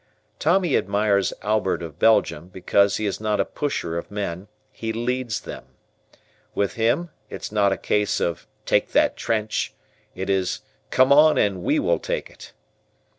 Tommy admires Albert of Belgium because he is not a pusher of men, he LEADS them. With him it's not a case of "take that trench" it is "come on and we will take it."